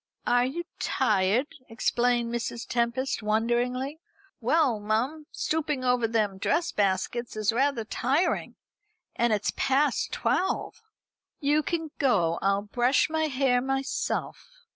"Are you tired?" exclaimed Mrs. Tempest, wonderingly. "Well, mum, stooping over them dress baskets is rather tiring, and it's past twelve." "You can go. I'll brush my hair myself."